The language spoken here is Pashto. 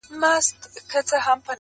هره ورځ به وو دهقان ته پټ په غار کي!!